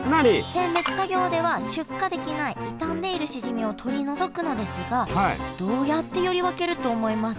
選別作業では出荷できない傷んでいるしじみを取り除くのですがどうやって選り分けると思いますか？